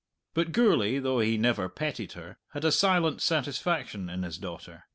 But Gourlay, though he never petted her, had a silent satisfaction in his daughter.